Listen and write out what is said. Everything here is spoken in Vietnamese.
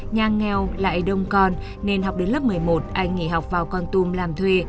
nhà nghèo lại đông con nên học đến lớp một mươi một anh nghỉ học vào con tum làm thuê